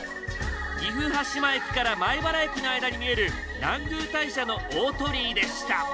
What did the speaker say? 岐阜羽島駅から米原駅の間に見える南宮大社の大鳥居でした。